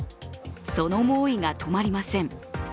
その猛威が止まりません。